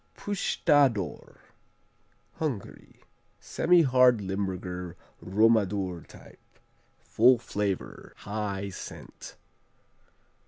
Pusztador Hungary Semihard, Limburger Romadur type. Full flavor, high scent.